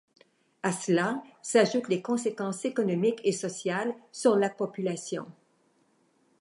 À cela s'ajoutent les conséquences économiques et sociales sur la population.